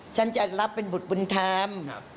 ฉันจะรับเป็นบุตรบุญธรรม